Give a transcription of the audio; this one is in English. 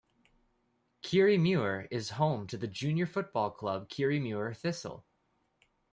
Kirriemuir is home to the junior football club Kirriemuir Thistle.